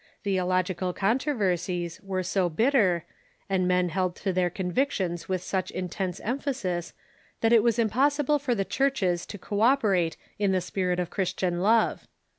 J he old theological controversies were so bitter, and men held to their convictions with such intense emphasis that it was impossible for the churches to co operate in the spirit of Christian love.